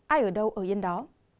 ai ở đâu ở yên đó